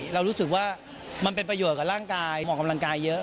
เรารู้สึกว่ามันเป็นประโยชน์กับร่างกายเหมาะกำลังกายเยอะ